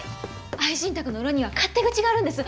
愛人宅の裏には勝手口があるんです。